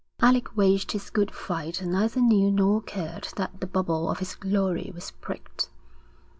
Alec waged his good fight and neither knew nor cared that the bubble of his glory was pricked.